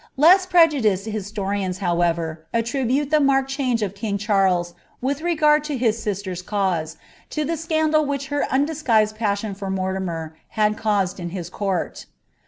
Ua* prqu diced liialorians, however, aiiribute Uie marked change of king CWlrv with regard to his sisler'a cause, lo llie scandal which her oiidDguud passion for Mortimer had caused in his court.